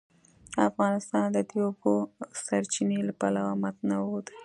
افغانستان د د اوبو سرچینې له پلوه متنوع دی.